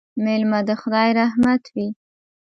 مېلمه د خدای رحمت وي